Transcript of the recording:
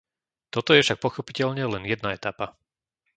Toto je však pochopiteľne len jedna etapa.